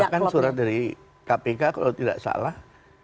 bahkan surat dari kpk kalau tidak salah